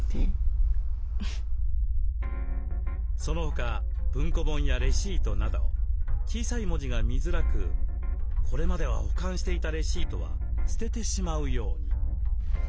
その他文庫本やレシートなど小さい文字が見づらくこれまでは保管していたレシートは捨ててしまうように。